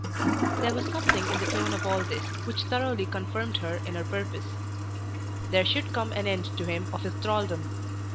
There was something in the tone of all this which thoroughly confirmed her in her purpose. There should come an end to him of his thraldom.